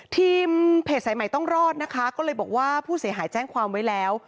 ทีมเพจสายใหม่ต้องรอดนะคะก็เลยบอกว่าผู้เสียหายแจ้งความไว้แล้ว